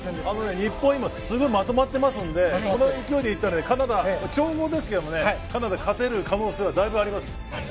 日本、今すごいまとまってますのでこの勢いでいったらカナダ、強豪ですけどカナダに勝てる可能性はあります。